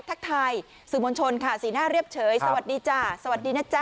ทักทายสื่อมวลชนค่ะสีหน้าเรียบเฉยสวัสดีจ้ะสวัสดีนะจ๊ะ